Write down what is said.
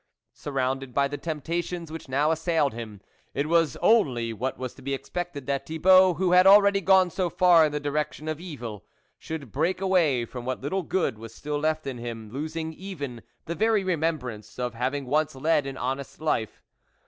Surrounded by the temptations which now assailed him, it was only what was to be expected that Thibault who had already gone so far in the direction of evil, should break away from what little good was still left in him, losing even the very remembrance of having once led an honest life.